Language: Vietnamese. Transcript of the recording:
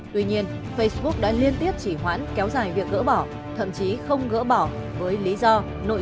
tuy nhiên facebook đã liên tiếp chỉ hoãn kéo dài việc gỡ bỏ thậm chí không gỡ bỏ với lý do nội